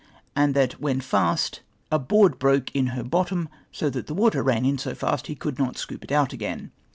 and that when fast, "a hoard broke in her bottom, so that the water ran in so fast, he could not scoop it out again